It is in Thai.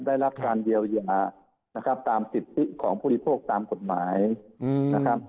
ได้รับการเยียวยานะครับตามสิทธิของผู้บริโภคตามกฎหมายนะครับ